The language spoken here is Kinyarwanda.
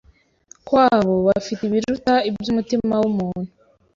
kwabo Bafite ibiruta ibyo umutima w umuntu